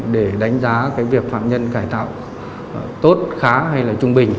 để đánh giá việc phạm nhân cải tạo tốt khá hay trung bình